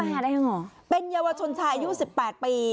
สิบแปดอายุหรอเป็นเยาวชนชายอายุสิบแปดปี